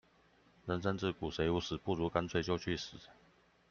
人生自古誰無死，不如乾脆就去死